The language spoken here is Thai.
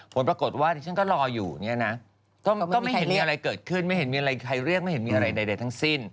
ผลปรากฏว่าที่ฉันก็รออยู่เนี่ยนะก็ไม่เห็นมีอะไรเกิดขึ้นไม่เห็นมีอะไรใครเรียกไม่เห็นมีอะไรใดทั้งสิ้น